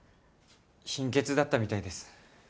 貧血だったみたいです。